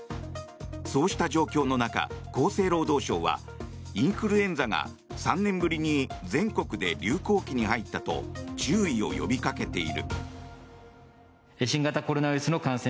そうした状況の中、厚生労働省はインフルエンザが３年ぶりに全国で流行期に入ったと注意を呼びかけている。